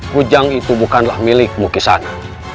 hujan itu bukanlah milikmu kesana